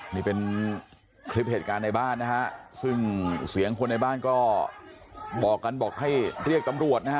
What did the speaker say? นี่เป็นคลิปเหตุการณ์ในบ้านนะฮะซึ่งเสียงคนในบ้านก็บอกกันบอกให้เรียกตำรวจนะฮะ